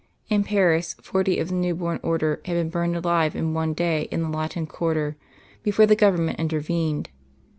In Paris forty of the new born Order had been burned alive in one day in the Latin quarter, before the Government intervened.